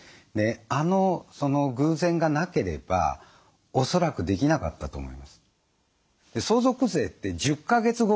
その偶然がなければおそらくできなかったと思います。